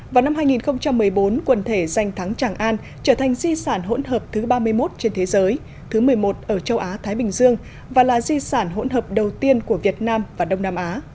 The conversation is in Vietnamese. vào năm hai nghìn một mươi bốn quần thể danh thắng tràng an trở thành di sản hỗn hợp thứ ba mươi một trên thế giới thứ một mươi một ở châu á thái bình dương và là di sản hỗn hợp đầu tiên của việt nam và đông nam á